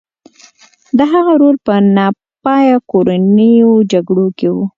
د هغه رول په ناپایه کورنیو جګړو کې و.